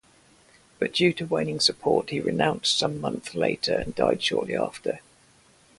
But, due to waning support, he renounced some month later and died shortly after.